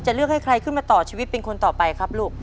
เลือกให้ใครขึ้นมาต่อชีวิตเป็นคนต่อไปครับลูก